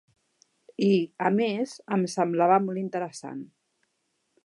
I, a més, em semblava molt interessant.